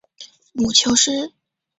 母丘氏。